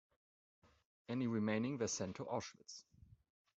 Any remaining were sent to Auschwitz.